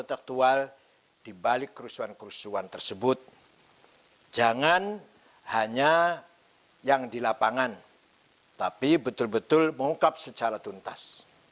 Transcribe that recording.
intelektual dibalik kerusuhan kerusuhan tersebut jangan hanya yang di lapangan tapi betul betul mengungkap secara tuntas